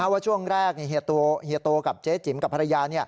ว่าช่วงแรกเฮียโตกับเจ๊จิ๋มกับภรรยา